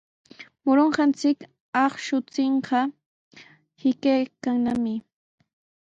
Murunqachik akshunchikqa hiqaykannami.